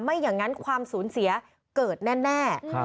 ไม่อย่างนั้นความสูญเสียเกิดแน่